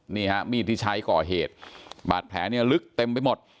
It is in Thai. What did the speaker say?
นี่ฮะมีดที่ใช้ก่อเหตุบาดแผลเนี่ยลึกเต็มไปหมด